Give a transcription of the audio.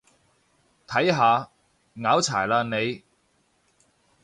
睇下，拗柴喇你